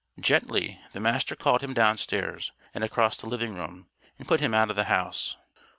Gently, the Master called him downstairs and across the living room, and put him out of the house.